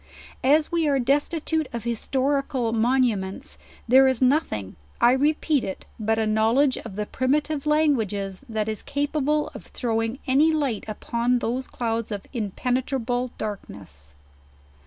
As we are destitute of historical monuments, there is noth ing, I repeat it, but a knowledge of the primative languages that is capable of throwing any light upon those clouds of impenetrable darkness.